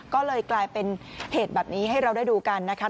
ก็เลยกลายเป็นเหตุแบบนี้ให้เราได้ดูกันนะครับ